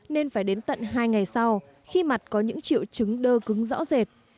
nên phải đến tận hai ngày sau khi mặt có những triệu chứng đơ cứng rõ rệt